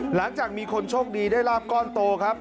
หลังจากมีคนโชคดีได้ลาบก้อนโตครับ